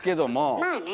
まあね。